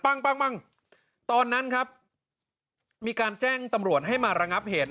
ปั้งปั้งตอนนั้นครับมีการแจ้งตำรวจให้มาระงับเหตุ